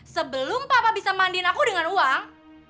sebelum papa bisa mandin aku dengan uang